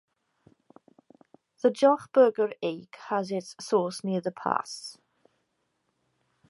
The Jochberger Ache has its source near the pass.